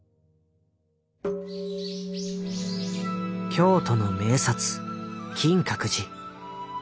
京都の名刹金閣寺。